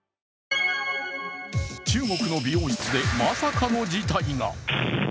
中国の美容室でまさかの事態が。